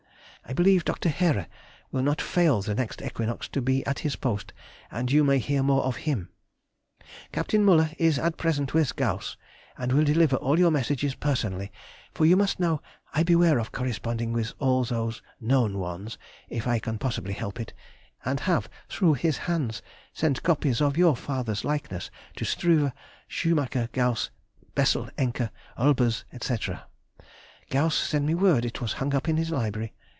I believe Dr. Heere will not fail the next equinox to be at his post, and you may hear more of him. [Sidenote: 1836. Her Brother's Portrait.] Capt. Müller is at present with Gauss, and will deliver all your messages personally, for you must know I beware of corresponding with all those known ones if I can possibly help it, and have through his hands sent copies of your father's likeness to Struve, Schumacher, Gauss, Bessel, Encke, Olbers, &c. Gauss sent me word it was hung up in his library.